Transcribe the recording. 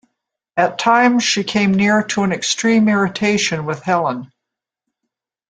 At times she came near to an extreme irritation with Helene.